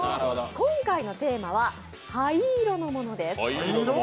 今回のテーマは灰色のものです。